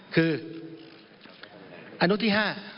คืออนุที่๕